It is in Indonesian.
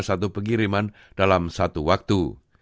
satu pengiriman dalam satu waktu